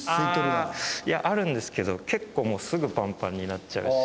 ああいやあるんですけど結構もうすぐパンパンになっちゃうし。